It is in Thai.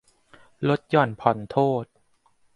ลดหย่อนผ่อนโทษ